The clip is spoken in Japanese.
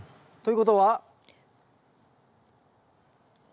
ということは？